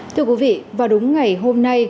thưa quý vị vào đúng ngày hôm nay